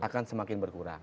akan semakin berkurang